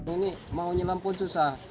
ini mau nyelam pun susah